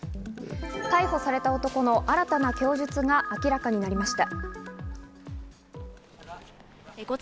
逮捕された男の新たな供述が明らかになりました。